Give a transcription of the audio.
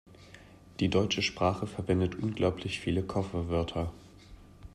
Die deutsche Sprache verwendet unglaublich viele Kofferwörter.